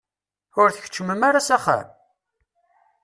Ur tkeččmem ara s axxam?